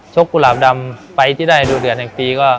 ชกกุหลาบดำไฟที่ได้ดูเดิดขึ่งปี